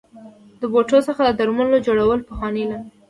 د بوټو څخه د درملو جوړول پخوانی علم دی.